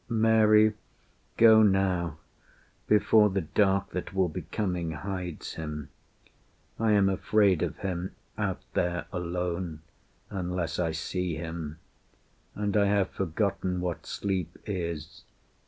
"Mary, go now, Before the dark that will be coming hides him. I am afraid of him out there alone, Unless I see him; and I have forgotten What sleep is.